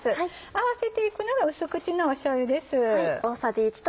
合わせていくのが淡口のしょうゆです。